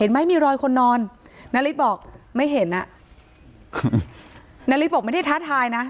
ไม่มีรอยคนนอนนาริสบอกไม่เห็นอ่ะนาริสบอกไม่ได้ท้าทายนะ